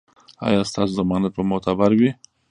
ایا ستاسو ضمانت به معتبر وي؟